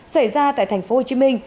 xảy ra tại tp hcm